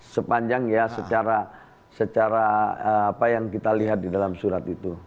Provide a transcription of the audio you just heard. sepanjang ya secara apa yang kita lihat di dalam surat itu